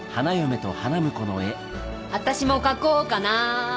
私も描こうかな。